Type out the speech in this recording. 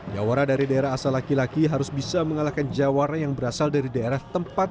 jawara dari daerah asal laki laki harus bisa mengalahkan jawara yang berasal dari daerah tempat